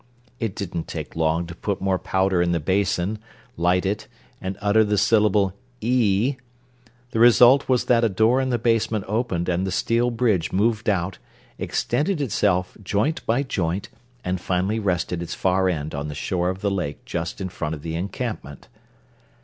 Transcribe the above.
It didn't take long to put more powder in the basin, light it and utter the syllable "EE!" The result was that a door in the basement opened and the steel bridge moved out, extended itself joint by joint, and finally rested its far end on the shore of the lake just in front of the encampment.